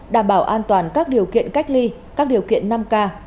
đảm bảo an toàn các điều kiện cách ly các điều kiện năm k